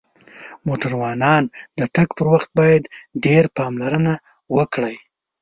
موټروانان د تک پر وخت باید ډیر پاملرنه وکړی